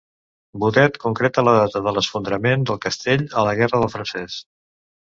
Botet concreta la data de l'esfondrament del castell a la Guerra del Francès.